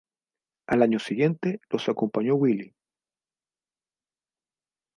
Al año siguiente, los acompañó Willy.